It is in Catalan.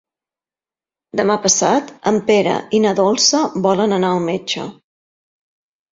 Demà passat en Pere i na Dolça volen anar al metge.